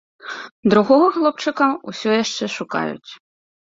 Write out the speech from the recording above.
Другога хлопчыка ўсё яшчэ шукаюць.